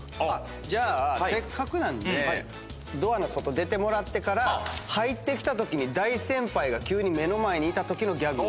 じゃあせっかくなんでドアの外出てもらってから入ってきたときに大先輩が急に目の前にいたときのギャグを。